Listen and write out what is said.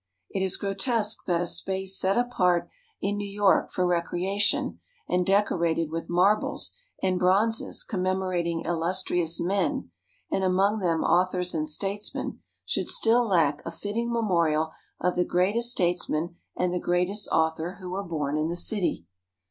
It is grotesque that a space set apart in New York for recreation, and decorated with marbles and bronzes commemorating illustrious men, and among them authors and statesmen, should still lack a fitting memorial of the greatest statesman and the greatest author who were born in the city.